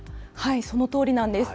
そのとおりです。